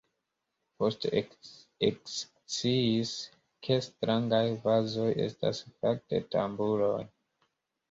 Poste eksciis ke strangaj vazoj estas fakte tamburoj.